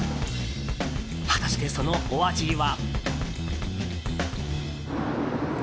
果たして、そのお味は？